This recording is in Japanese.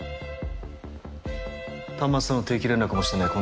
端末との定期連絡もしてない